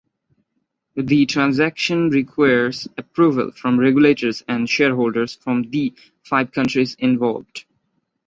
The transaction requires approval from regulators and shareholders from the five countries involved.